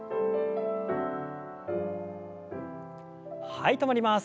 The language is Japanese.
はい止まります。